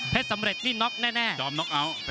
เพชรสำเร็จที่น็อเคแน่